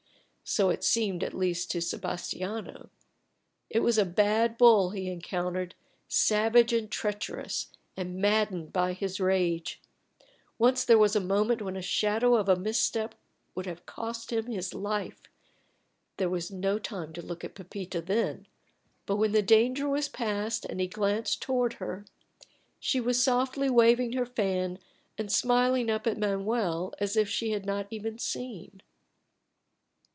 So it seemed at least to Sebastiano. It was a bad bull he encountered, savage and treacherous, and maddened by his rage. Once there was a moment when a shadow of a misstep would have cost him his life. There was no time to look at Pepita then, but when the danger was passed and he glanced toward her, she was softly waving her fan and smiling up at Manuel as if she had not even seen.